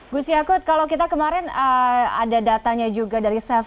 gus yakut kalau kita kemarin ada datanya juga dari sevi